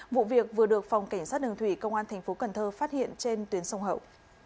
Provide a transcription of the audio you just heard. vụ việc vừa được phòng cảnh sát đường thủy công an thành phố cần thơ phát hiện trên tuyến sông hậu